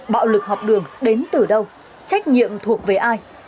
bạo lực học đường đến từ đâu trách nhiệm thuộc về ai